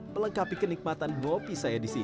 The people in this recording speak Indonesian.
melengkapi kenikmatan ngopi saya di sini